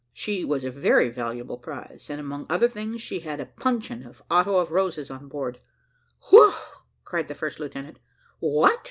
She was a very valuable prize, and among other things she had a puncheon of otto of roses on board " "Whew!" cried the first lieutenant. "What!